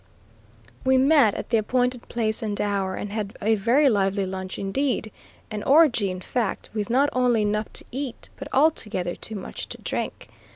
We met at the appointed place and hour, and had a very lively lunch indeed, an orgie in fact, with not only enough to eat, but altogether too much to drink.